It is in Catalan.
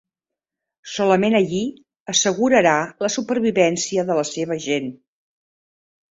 Solament allí assegurarà la supervivència de la seva gent.